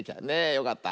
よかった。